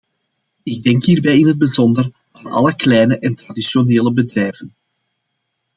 Ik denk hierbij in het bijzonder aan alle kleine en alle traditionele bedrijven.